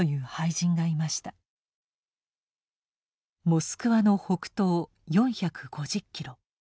モスクワの北東４５０キロ。